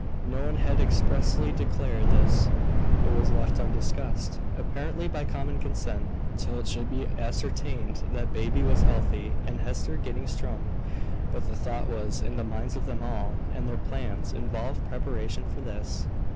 No one had expressly declared this: it was left undiscussed, apparently by common consent, till it should be ascertained that baby was healthy and Hester getting strong; but the thought was in the minds of them all, and their plans involved preparation for this.